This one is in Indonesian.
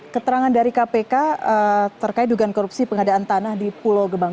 keterangan dari kpk terkait dugaan korupsi pengadaan tanah di pulau gebang